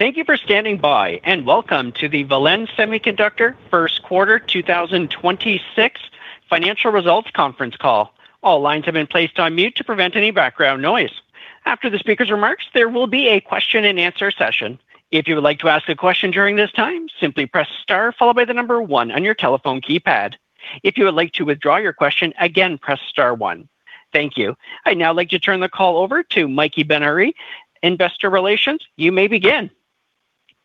Thank you for standing by, and welcome to the Valens Semiconductor first quarter 2026 financial results conference call. All lines have been placed on mute to prevent any background noise. After the speaker's remarks, there will be a question and answer session. If you would like to ask a question during this time, simply press star followed by the number 1 on your telephone keypad. If you would like to withdraw your question, again, press star one. Thank you. I'd now like to turn the call over to Mikey Ben-Ari, investor relations. You may begin.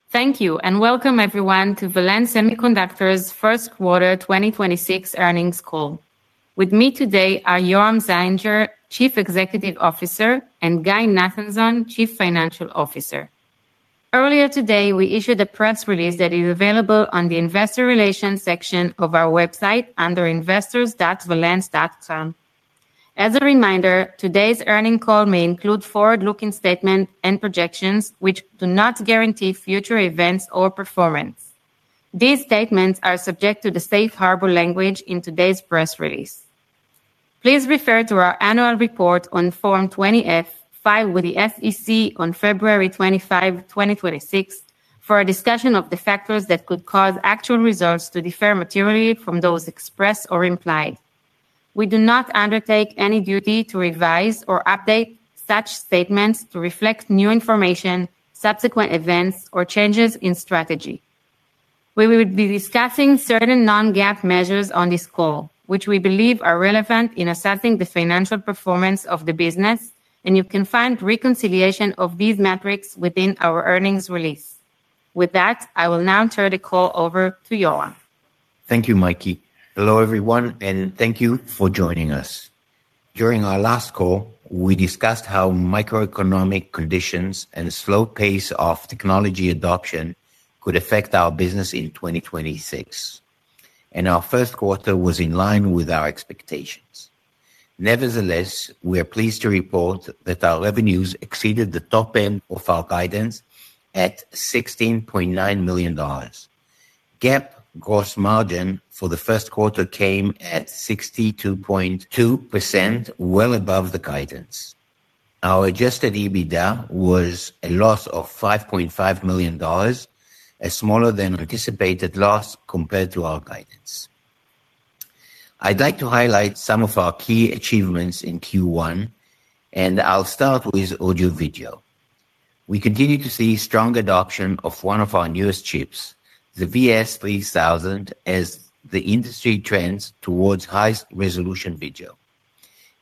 Thank you, and welcome everyone to Valens Semiconductor's first quarter 2026 earnings call. With me today are Yoram Salinger, Chief Executive Officer, and Guy Nathanzon, Chief Financial Officer. Earlier today, we issued a press release that is available on the investor relations section of our website under investors.valens.com. As a reminder, today's earning call may include forward-looking statements and projections which do not guarantee future events or performance. These statements are subject to the safe harbor language in today's press release. Please refer to our annual report on Form 20-F filed with the SEC on February 25, 2026 for a discussion of the factors that could cause actual results to differ materially from those expressed or implied. We do not undertake any duty to revise or update such statements to reflect new information, subsequent events, or changes in strategy. We will be discussing certain non-GAAP measures on this call, which we believe are relevant in assessing the financial performance of the business, and you can find reconciliation of these metrics within our earnings release. With that, I will now turn the call over to Yoram. Thank you, Mikey. Hello, everyone, and thank you for joining us. During our last call, we discussed how macroeconomic conditions and slow pace of technology adoption could affect our business in 2026. Our first quarter was in line with our expectations. Nevertheless, we are pleased to report that our revenues exceeded the top end of our guidance at $16.9 million. GAAP gross margin for the first quarter came at 62.2%, well above the guidance. Our adjusted EBITDA was a loss of $5.5 million, a smaller than anticipated loss compared to our guidance. I'd like to highlight some of our key achievements in Q1. I'll start with audio/video. We continue to see strong adoption of one of our newest chips, the VS3000, as the industry trends towards highest resolution video.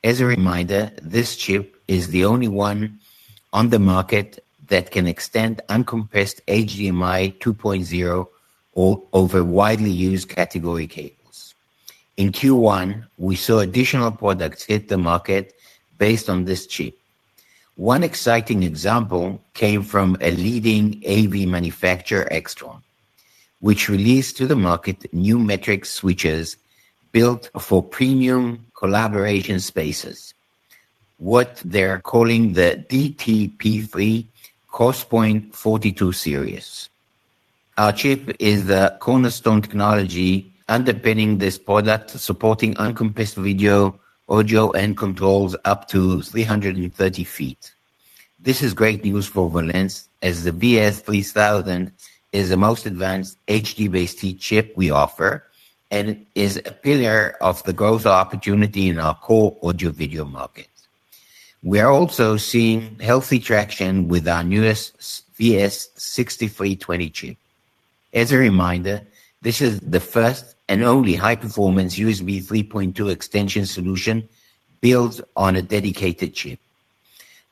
As a reminder, this chip is the only one on the market that can extend uncompressed HDMI 2.0 over widely used category cables. In Q1, we saw additional products hit the market based on this chip. One exciting example came from a leading AV manufacturer, Extron, which released to the market new matrix switches built for premium collaboration spaces, what they're calling the DTP3 CrossPoint 42 series. Our chip is the cornerstone technology underpinning this product, supporting uncompressed video, audio, and controls up to 330 ft. This is great news for Valens as the VS3000 is the most advanced HDBaseT chip we offer and is a pillar of the growth opportunity in our core audio/video market. We are also seeing healthy traction with our newest VS6320 chip. As a reminder, this is the first and only high-performance USB 3.2 extension solution built on a dedicated chip.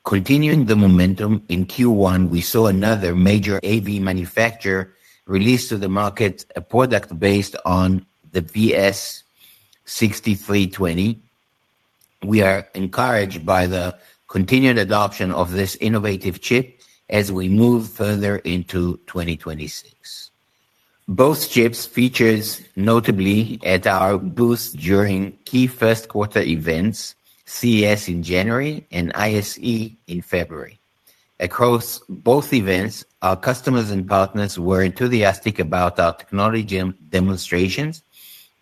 Continuing the momentum in Q1, we saw another major AV manufacturer release to the market a product based on the VS6320. We are encouraged by the continued adoption of this innovative chip as we move further into 2026. Both chips features notably at our booth during key first quarter events, CES in January and ISE in February. Across both events, our customers and partners were enthusiastic about our technology demonstrations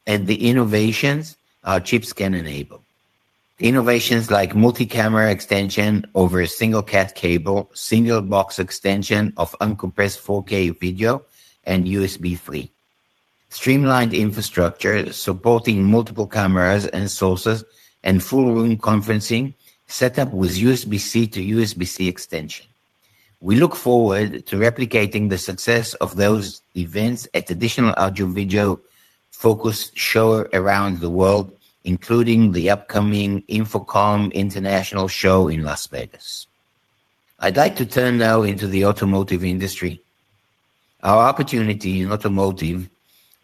and the innovations our chips can enable. Innovations like multi-camera extension over a single cat cable, single box extension of uncompressed 4K video, and USB 3. Streamlined infrastructure supporting multiple cameras and sources and full room conferencing set up with USB-C to USB-C extension. We look forward to replicating the success of those events at additional audio/video-focused show around the world, including the upcoming InfoComm International Show in Las Vegas. I'd like to turn now into the automotive industry. Our opportunity in automotive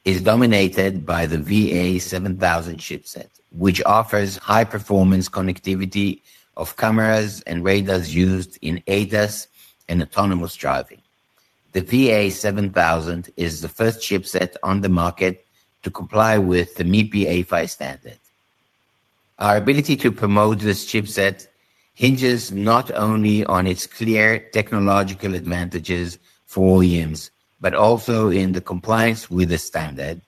is dominated by the VA7000 chipset, which offers high performance connectivity of cameras and radars used in ADAS and autonomous driving. The VA7000 is the first chipset on the market to comply with the MIPI A-PHY standard. Our ability to promote this chipset hinges not only on its clear technological advantages for OEMs, but also in the compliance with the standard.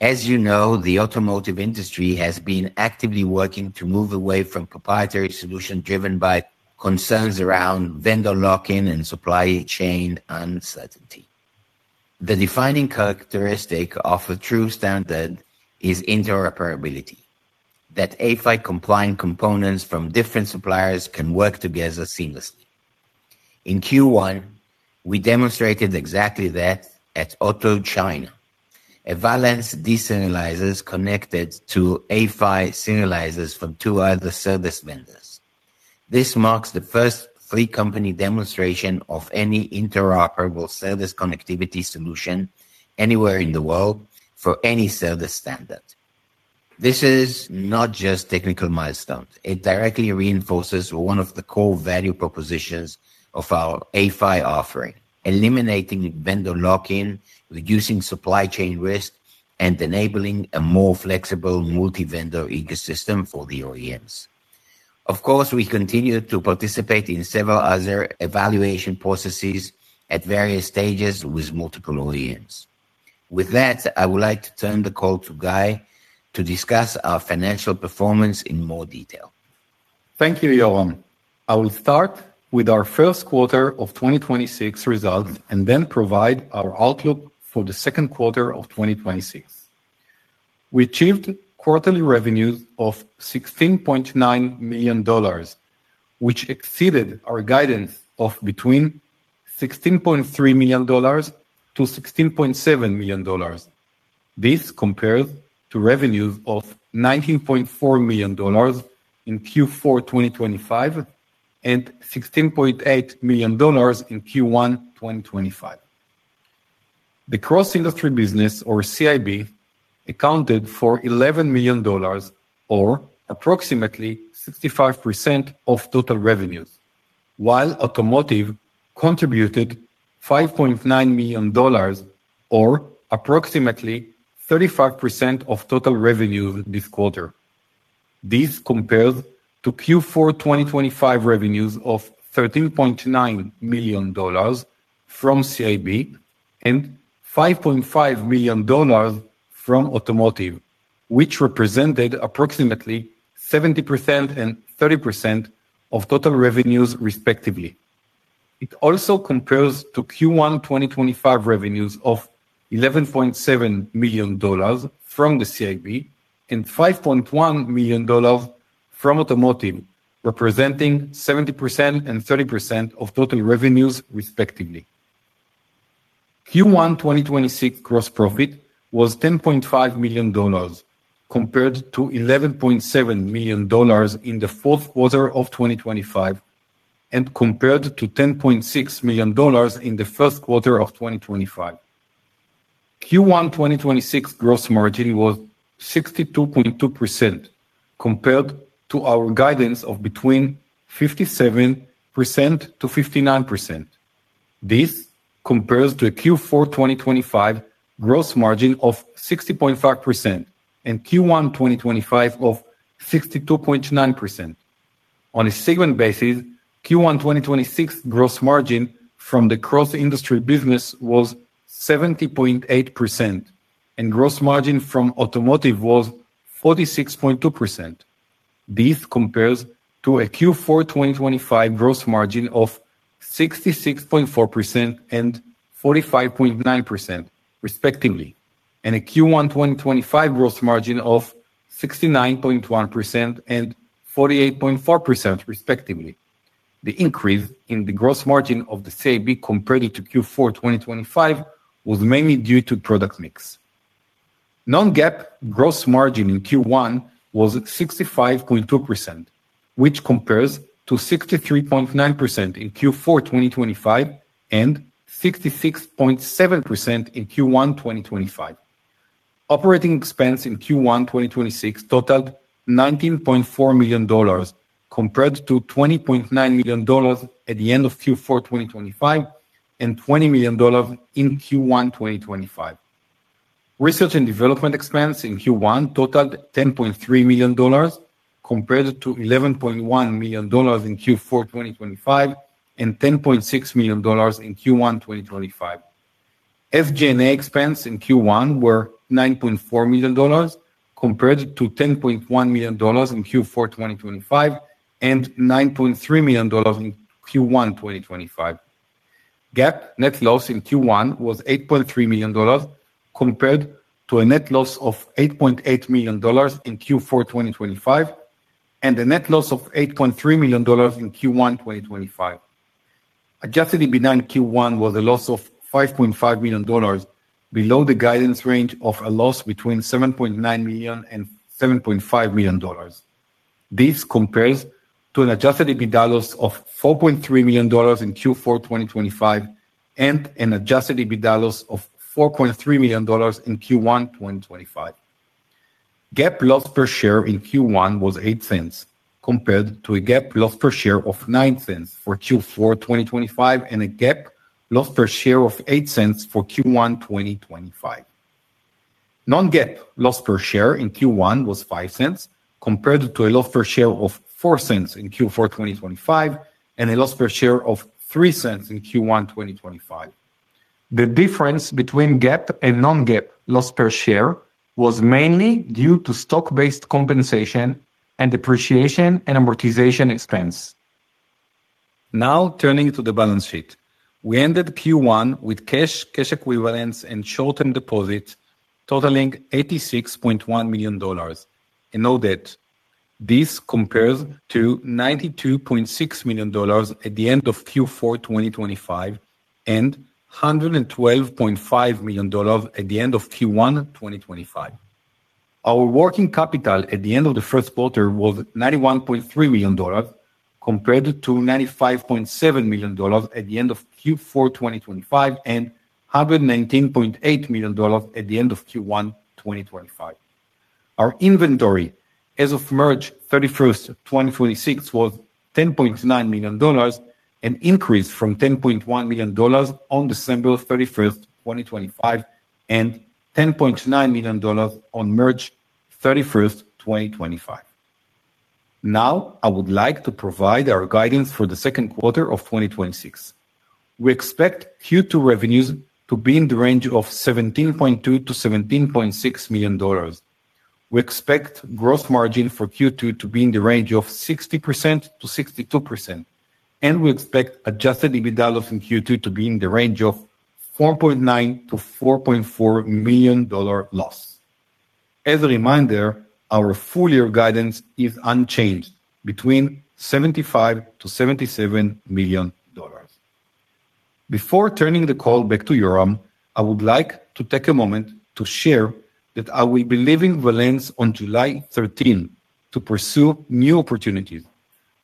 As you know, the automotive industry has been actively working to move away from proprietary solution driven by concerns around vendor lock-in and supply chain uncertainty. The defining characteristic of a true standard is interoperability, that A-PHY-compliant components from different suppliers can work together seamlessly. In Q1, we demonstrated exactly that at Auto China. Valens deserializers connected to A-PHY serializers from two other SerDes vendors. This marks the first three-company demonstration of any interoperable SerDes connectivity solution anywhere in the world for any SerDes standard. This is not just technical milestones. It directly reinforces one of the core value propositions of our A-PHY offering, eliminating vendor lock-in, reducing supply chain risk, and enabling a more flexible multi-vendor ecosystem for the OEMs. Of course, we continue to participate in several other evaluation processes at various stages with multiple OEMs. With that, I would like to turn the call to Guy to discuss our financial performance in more detail. Thank you, Yoram. I will start with our first quarter of 2026 results and then provide our outlook for the second quarter of 2026. We achieved quarterly revenues of $16.9 million, which exceeded our guidance of between $16.3 million-$16.7 million. This compares to revenues of $19.4 million in Q4 2025 and $16.8 million in Q1 2025. The Cross-Industry Business, or CIB, accounted for $11 million, or approximately 65% of total revenues, while automotive contributed $5.9 million or approximately 35% of total revenues this quarter. This compares to Q4 2025 revenues of $13.9 million from CIB and $5.5 million from automotive, which represented approximately 70% and 30% of total revenues, respectively. It also compares to Q1 2025 revenues of $11.7 million from the CIB and $5.1 million from automotive, representing 70% and 30% of total revenues, respectively. Q1 2026 gross profit was $10.5 million, compared to $11.7 million in the fourth quarter of 2025, and compared to $10.6 million in the first quarter of 2025. Q1 2026 gross margin was 62.2% compared to our guidance of between 57%-59%. This compares to a Q4 2025 gross margin of 60.5% and Q1 2025 of 62.9%. On a segment basis, Q1 2026 gross margin from the Cross-Industry Business was 70.8%, and gross margin from automotive was 46.2%. This compares to a Q4 2025 gross margin of 66.4% and 45.9% respectively, and a Q1 2025 gross margin of 69.1% and 48.4% respectively. The increase in the gross margin of the CIB compared to Q4 2025 was mainly due to product mix. Non-GAAP gross margin in Q1 was 65.2%, which compares to 63.9% in Q4 2025 and 66.7% in Q1 2025. Operating expense in Q1 2026 totaled $19.4 million, compared to $20.9 million at the end of Q4 2025 and $20 million in Q1 2025. Research and development expense in Q1 totaled $10.3 million, compared to $11.1 million in Q4 2025 and $10.6 million in Q1 2025. SG&A expense in Q1 were $9.4 million, compared to $10.1 million in Q4 2025 and $9.3 million in Q1 2025. GAAP net loss in Q1 was $8.3 million, compared to a net loss of $8.8 million in Q4 2025 and a net loss of $8.3 million in Q1 2025. Adjusted EBITDA in Q1 was a loss of $5.5 million, below the guidance range of a loss between $7.9 million and $7.5 million. This compares to an adjusted EBITDA loss of $4.3 million in Q4 2025 and an adjusted EBITDA loss of $4.3 million in Q1 2025. GAAP loss per share in Q1 was $0.08, compared to a GAAP loss per share of $0.09 for Q4 2025 and a GAAP loss per share of $0.08 for Q1 2025. Non-GAAP loss per share in Q1 was $0.05. Compared to a loss per share of $0.04 in Q4 2025, and a loss per share of $0.03 in Q1 2025. The difference between GAAP and non-GAAP loss per share was mainly due to stock-based compensation and depreciation and amortization expense. Now turning to the balance sheet. We ended Q1 with cash equivalents, and short-term deposits totaling $86.1 million and no debt. This compares to $92.6 million at the end of Q4 2025 and $112.5 million at the end of Q1 2025. Our working capital at the end of the first quarter was $91.3 million, compared to $95.7 million at the end of Q4 2025 and $119.8 million at the end of Q1 2025. Our inventory as of March 31st, 2026 was $10.9 million, an increase from $10.1 million on December 31st, 2025 and $10.9 million on March 31st, 2025. Now, I would like to provide our guidance for the second quarter of 2026. We expect Q2 revenues to be in the range of $17.2 million-$17.6 million. We expect gross margin for Q2 to be in the range of 60%-62%, and we expect adjusted EBITDA in Q2 to be in the range of $4.9 million to $4.4 million loss. As a reminder, our full year guidance is unchanged between $75 million-$77 million. Before turning the call back to Yoram, I would like to take a moment to share that I will be leaving Valens on July 13th to pursue new opportunities.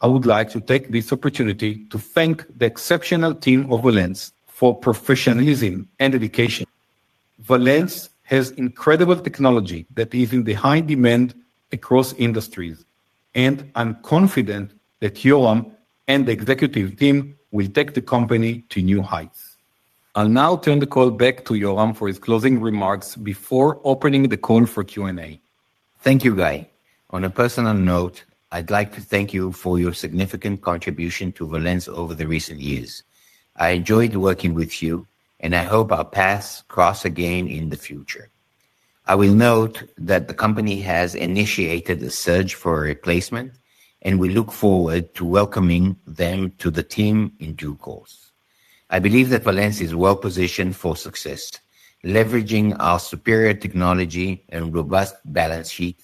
I would like to take this opportunity to thank the exceptional team of Valens for professionalism and dedication. Valens has incredible technology that is in the high demand across industries, and I'm confident that Yoram and the executive team will take the company to new heights. I'll now turn the call back to Yoram for his closing remarks before opening the call for Q&A. Thank you, Guy. On a personal note, I'd like to thank you for your significant contribution to Valens over the recent years. I enjoyed working with you, and I hope our paths cross again in the future. I will note that the company has initiated a search for a replacement, and we look forward to welcoming them to the team in due course. I believe that Valens is well-positioned for success, leveraging our superior technology and robust balance sheet,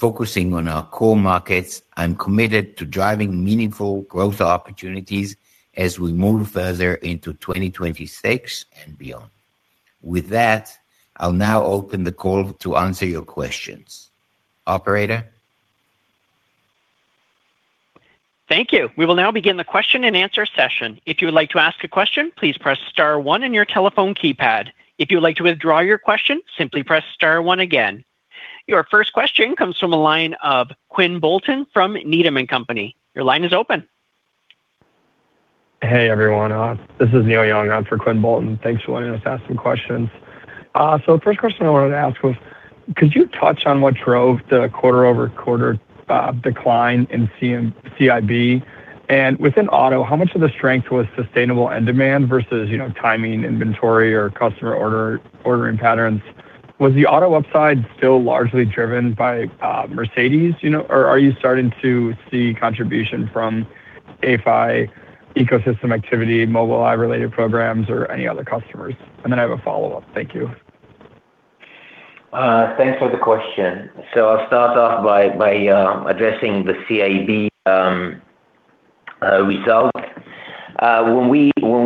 focusing on our core markets. I'm committed to driving meaningful growth opportunities as we move further into 2026 and beyond. With that, I'll now open the call to answer your questions. Operator? Thank you. We will now begin the question-and-answer session. Your first question comes from the line of Quinn Bolton from Needham & Company. Your line is open. Hey, everyone. This is Neil Young on for Quinn Bolton. Thanks for letting us ask some questions. First question I wanted to ask was, could you touch on what drove the quarter-over-quarter decline in CIB? Within auto, how much of the strength was sustainable end demand versus, you know, timing, inventory, or customer ordering patterns? Was the auto upside still largely driven by Mercedes, you know? Are you starting to see contribution from A-PHY ecosystem activity, Mobileye-related programs, or any other customers? I have a follow-up. Thank you. Thanks for the question. I'll start off by addressing the CIB result. When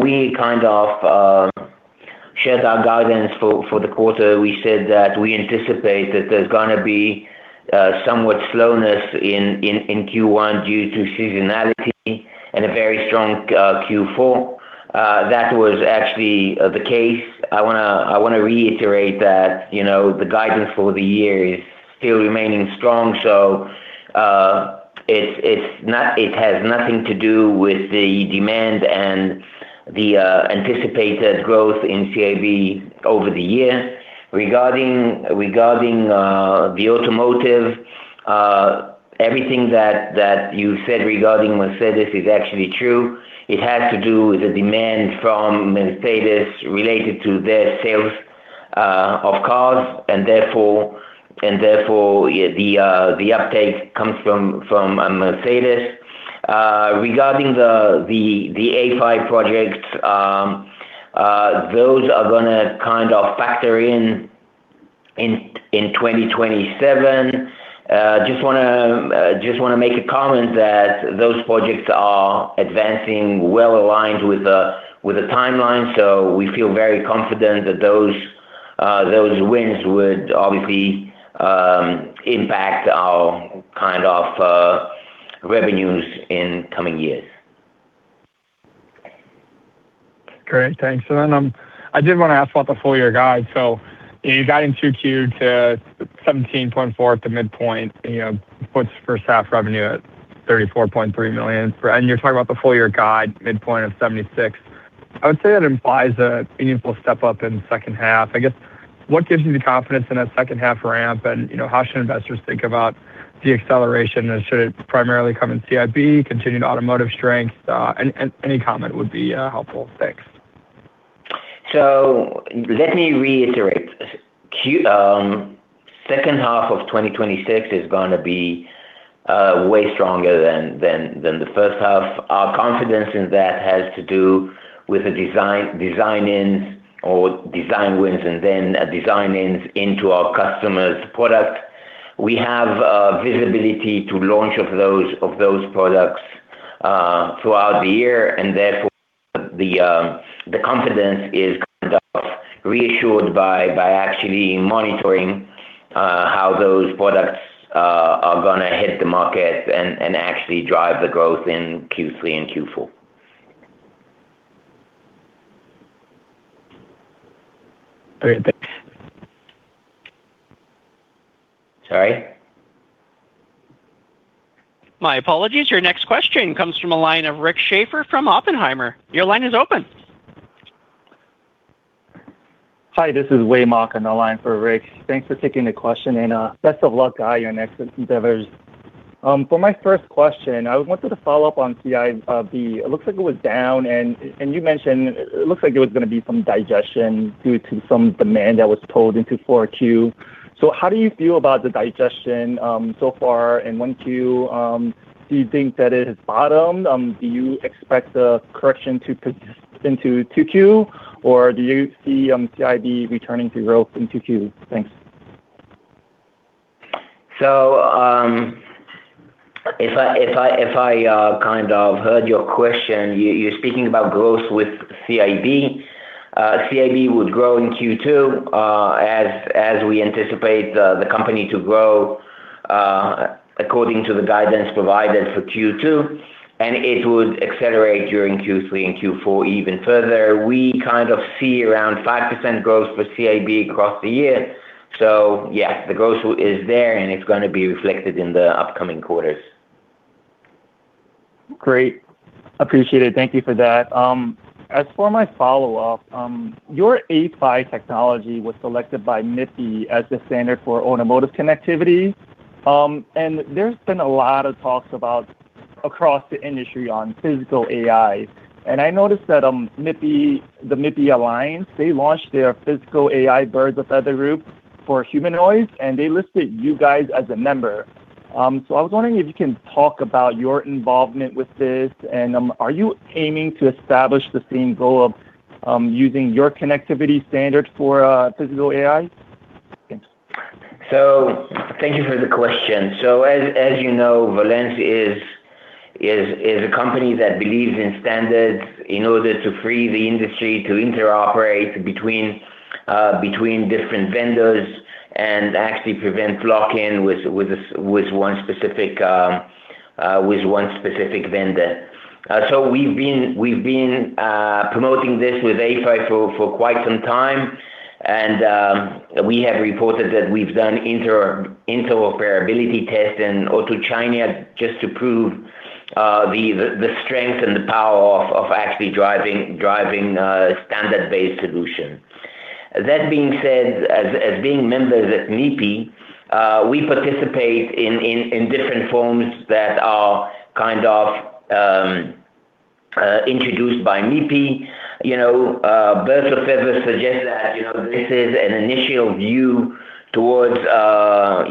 we kind of shared our guidance for the quarter, we said that we anticipate that there's gonna be somewhat slowness in Q1 due to seasonality and a very strong Q4. That was actually the case. I wanna reiterate that, you know, the guidance for the year is still remaining strong. It has nothing to do with the demand and the anticipated growth in CIB over the year. Regarding the automotive, everything that you said regarding Mercedes is actually true. It has to do with the demand from Mercedes related to their sales of cars, and therefore the uptake comes from Mercedes. Regarding the A-PHY projects, those are gonna kind of factor in 2027. Just wanna make a comment that those projects are advancing well aligned with the timeline, so we feel very confident that those wins would obviously impact our kind of revenues in coming years. Great. Thanks. Then, I did want to ask about the full-year guide. You got in 2Q to $17.4 million at the midpoint, you know, puts first half revenue at $34.3 million. You're talking about the full-year guide midpoint of $76 million. I would say that implies a meaningful step up in second half. I guess what gives you the confidence in a second half ramp and, you know, how should investors think about the acceleration? Should it primarily come in CIB, continued automotive strength? And any comment would be helpful. Thanks. Let me reiterate. Second half of 2026 is gonna be way stronger than the first half. Our confidence in that has to do with the design-ins or design wins and then design-ins into our customer's product. We have visibility to launch of those products throughout the year, and therefore the confidence is kind of reassured by actually monitoring how those products are gonna hit the market and actually drive the growth in Q3 and Q4. All right. Thanks. Sorry? My apologies. Your next question comes from a line of Rick Schafer from Oppenheimer. Your line is open. Hi, this is Wei Mok on the line for Rick. Thanks for taking the question, and best of luck on your next endeavors. For my first question, I wanted to follow up on CIB. It looks like it was down and you mentioned it looks like it was gonna be some digestion due to some demand that was pulled into 4Q. How do you feel about the digestion so far? When do you think that it has bottomed? Do you expect a correction to persist into 2Q, or do you see CIB returning to growth in 2Q? Thanks. If I kind of heard your question, you're speaking about growth with CIB. CIB would grow in Q2, as we anticipate the company to grow, according to the guidance provided for Q2, and it would accelerate during Q3 and Q4 even further. We kind of see around 5% growth for CIB across the year. Yeah, the growth is there, and it's gonna be reflected in the upcoming quarters. Great. Appreciate it. Thank you for that. As for my follow-up, your A-PHY technology was selected by MIPI as the standard for automotive connectivity. There's been a lot of talks about across the industry on physical AI. I noticed that, MIPI, the MIPI Alliance, they launched their physical AI Birds of a Feather group for humanoids, and they listed you guys as a member. I was wondering if you can talk about your involvement with this, and are you aiming to establish the same goal of using your connectivity standard for physical AI? Thanks. Thank you for the question. As you know, Valens is a company that believes in standards in order to free the industry to interoperate between different vendors and actually prevent lock-in with one specific vendor. We've been promoting this with A-PHY for quite some time and we have reported that we've done interoperability tests in Auto China just to prove the strength and the power of actually driving standard-based solution. That being said, as being members at MIPI, we participate in different forums that are kind of introduced by MIPI. You know, Birds of a Feather suggest that, you know, this is an initial view towards,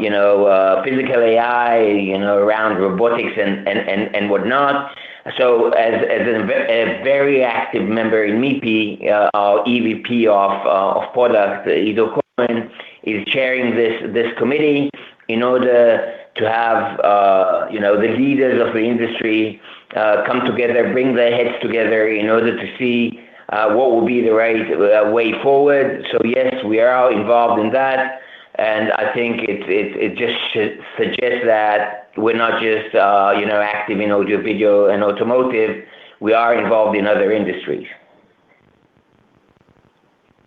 you know, physical AI, you know, around robotics and whatnot. As a very active member in MIPI, our EVP of Product, Edo Cohen, is chairing this committee in order to have, you know, the leaders of the industry come together, bring their heads together in order to see what will be the right way forward. Yes, we are all involved in that, and I think it just should suggest that we're not just, you know, active in audio-video and automotive. We are involved in other industries.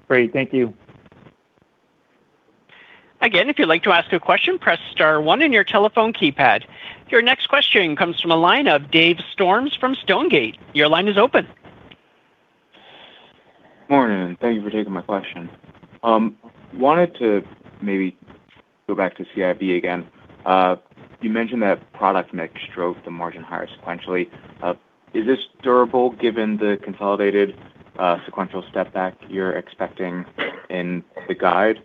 Great. Thank you. Again, if you'd like to ask a question, press star one on your telephone keypad. Your next question comes from a line of Dave Storms from Stonegate. Your line is open. Morning, thank you for taking my question. Wanted to maybe go back to CIB again. You mentioned that product mix drove the margin higher sequentially. Is this durable given the consolidated sequential step back you're expecting in the guide?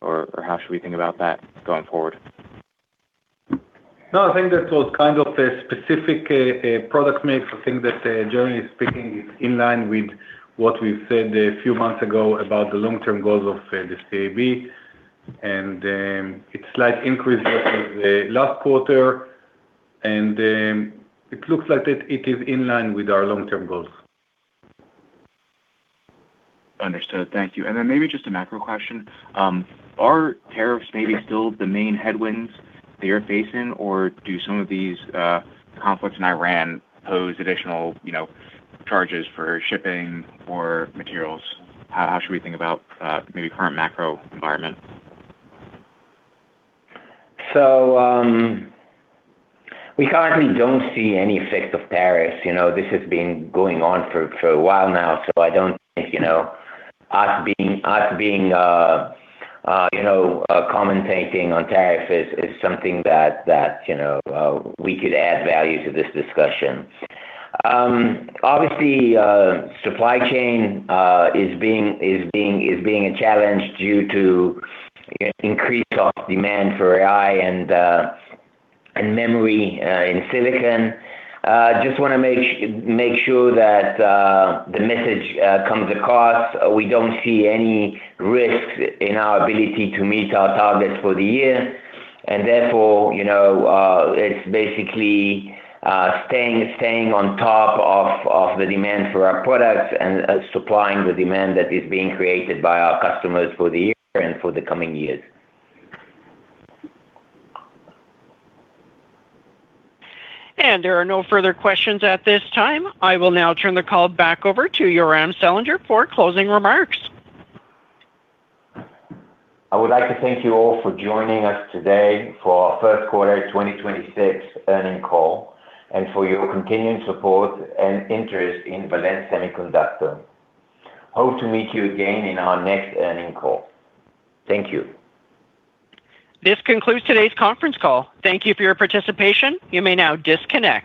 How should we think about that going forward? No, I think that was kind of a specific product mix. I think that, generally speaking, it's in line with what we've said a few months ago about the long-term goals of the CIB. It's slight increase versus the last quarter, and it looks like that it is in line with our long-term goals. Understood. Thank you. Maybe just a macro question. Are tariffs maybe still the main headwinds that you're facing or do some of these conflicts in Iran pose additional, you know, charges for shipping or materials? How should we think about maybe current macro environment? We currently don't see any effect of tariffs. You know, this has been going on for a while now, so I don't think, you know, commentating on tariffs is something that, you know, we could add value to this discussion. Obviously, supply chain is being a challenge due to increase of demand for AI and memory in silicon. Just wanna make sure that the message comes across. We don't see any risk in our ability to meet our targets for the year. Therefore, you know, it's basically staying on top of the demand for our products and supplying the demand that is being created by our customers for the year and for the coming years. There are no further questions at this time. I will now turn the call back over to Yoram Salinger for closing remarks. I would like to thank you all for joining us today for our first quarter 2026 earnings call and for your continued support and interest in Valens Semiconductor. Hope to meet you again in our next earnings call. Thank you. This concludes today's conference call. Thank you for your participation. You may now disconnect.